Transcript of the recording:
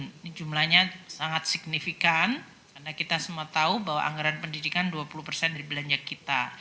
ini jumlahnya sangat signifikan karena kita semua tahu bahwa anggaran pendidikan dua puluh persen dari belanja kita